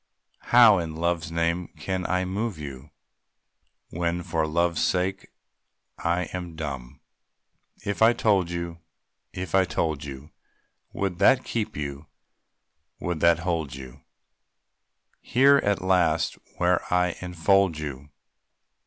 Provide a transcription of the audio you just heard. How in Love's name can I move you? When for Love's sake I am dumb! If I told you, if I told you, Would that keep you, would that hold you, Here at last where I enfold you?